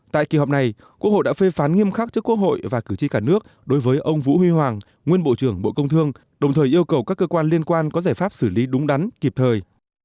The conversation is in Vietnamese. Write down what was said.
tại kỳ họp này quốc hội đã phê phán nghiêm khắc trước quốc hội và cử tri cả nước đối với ông vũ huy hoàng nguyên bộ trưởng bộ công thương đồng thời yêu cầu các cơ quan liên quan có giải pháp xử lý đúng đắn kịp thời